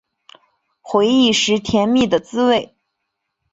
回忆时甜蜜的滋味